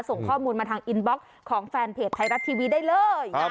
ส่งข้อมูลมาทางอินบล็อกของแฟนเพจไทยรัฐทีวีได้เลย